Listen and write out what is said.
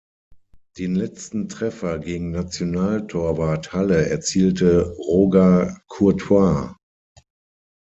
Den letzten Treffer gegen Nationaltorwart Halle erzielte Roger Courtois.